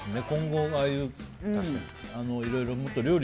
今後のいろいろ。